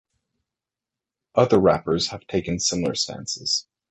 Other rappers have taken similar stances.